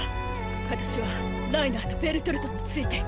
私はライナーとベルトルトに付いていく。